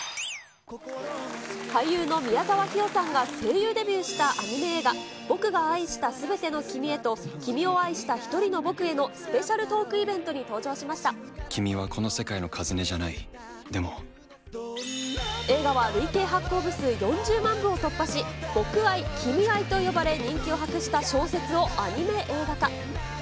俳優の宮沢氷魚さんが声優デビューしたアニメ映画、僕が愛したすべての君へと、君を愛したひとりの僕へのスペシャルトークイベントに登場しまし君はこの世界のカズネじゃな映画は累計発行部数４０万部を突破し、僕愛、君愛と呼ばれ、人気を博した小説をアニメ映画化。